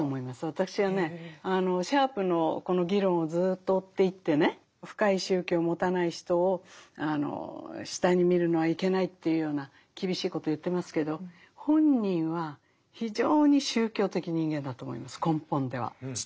私はねシャープのこの議論をずっと追っていってね深い宗教を持たない人を下に見るのはいけないというような厳しいことを言ってますけど本人は非常に宗教的人間だと思います根本では。